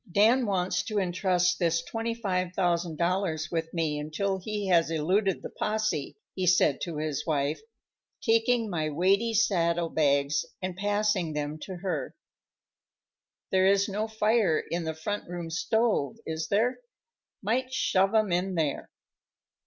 "Dan wants to entrust this $25,000 with me until he has eluded the possè," he said to his wife, taking my weighty saddle bags and passing them to her. "There is no fire in the front room stove, is there? Might shove 'em in there."